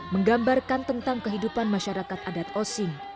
menggambarkan tentang kehidupan masyarakat adat osing